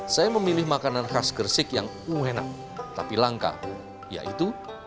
saya memilih makanan khas gersik yang enak tapi langka yaitu